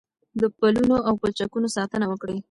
د پلونو او پلچکونو ساتنه وکړئ.